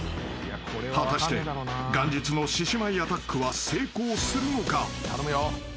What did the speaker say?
［果たして元日の獅子舞アタックは成功するのか？］